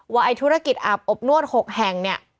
ไอ้ธุรกิจอาบอบนวด๖แห่งเนี่ย